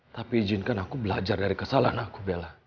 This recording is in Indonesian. tapi izinkan aku belajar dari kesalahan aku bela